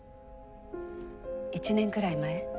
１年くらい前。